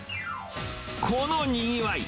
このにぎわい。